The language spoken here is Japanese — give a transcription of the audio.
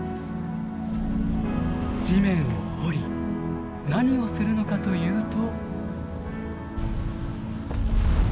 地面を掘り何をするのかというと。